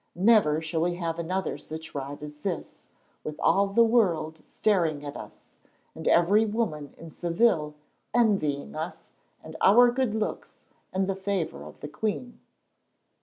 Never shall we have another such ride as this, with all the world staring at us, and every woman in Seville envying us and our good looks and the favour of the queen."